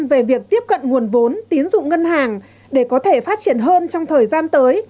về việc tiếp cận nguồn vốn tín dụng ngân hàng để có thể phát triển hơn trong thời gian tới